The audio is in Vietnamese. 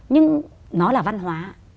nhưng nó là văn hóa